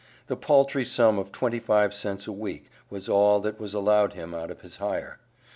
The paltry sum of twenty five cents a week, was all that was allowed him out of his hire.